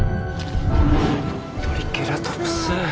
トリケラトプス。